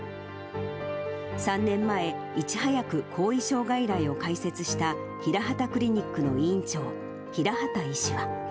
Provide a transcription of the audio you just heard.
３年前、いち早く後遺症外来を開設したヒラハタクリニックの院長、平畑医